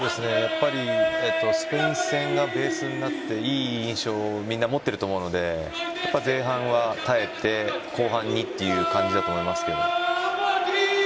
スペイン戦がベースになって良い印象をみんな持っていると思うので前半は耐えて後半にという感じだと思います。